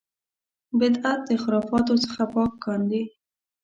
بدعت خرافاتو څخه پاک کاندي.